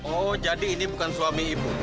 oh jadi ini bukan suami ibu